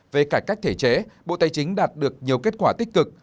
về cải cách thể chế bộ tài chính đạt được nhiều kết quả tích cực